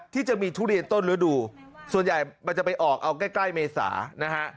ที่จะมีทุเรียนต้นระดูกส่วนใหญ่จะไปออกฆ่ีใกล้เมษานะฮะ